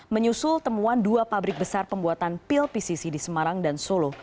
menyusul temuan dua pabrik besar pembuatan pil pcc di semarang dan solo